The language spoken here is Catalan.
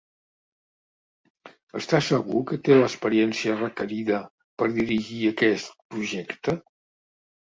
Estàs segur que té l'experiència requerida per dirigir aquest projecte?